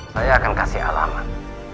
saya akan kasih alamat